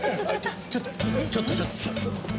ちょっとちょっとちょっと。